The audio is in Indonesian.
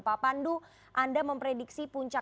pak pandu anda memprediksi puncak